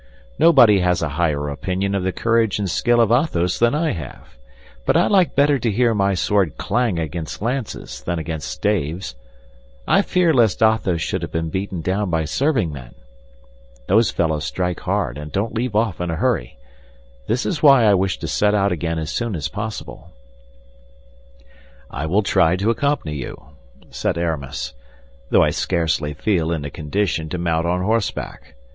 Nobody has a higher opinion of the courage and skill of Athos than I have; but I like better to hear my sword clang against lances than against staves. I fear lest Athos should have been beaten down by serving men. Those fellows strike hard, and don't leave off in a hurry. This is why I wish to set out again as soon as possible." "I will try to accompany you," said Aramis, "though I scarcely feel in a condition to mount on horseback.